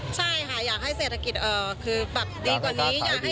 ใช่ค่ะอยากให้เศรษฐกิจคือปรับดีกว่านี้